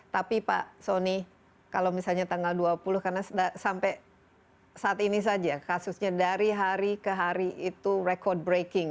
tapi pak soni kalau misalnya tanggal dua puluh karena sampai saat ini saja kasusnya dari hari ke hari itu record breaking